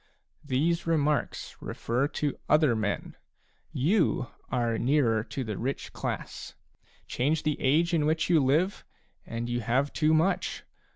These remarks refer to other men ; you are nearer the rich class. Change the age in which you live, and you have too much.